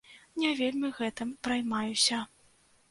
Не вельмі гэтым праймаюся.